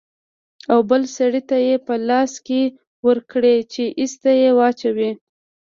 او بل سړي ته يې په لاس کښې ورکړې چې ايسته يې واچوي.